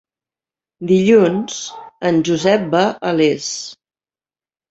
Dilluns en Josep va a Les.